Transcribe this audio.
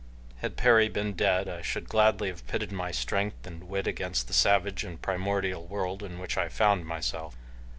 Had Perry been dead, I should gladly have pitted my strength and wit against the savage and primordial world in which I found myself.